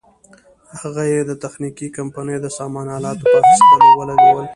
هغه یې د تخنیکي کمپنیو د سامان الاتو په اخیستلو ولګول.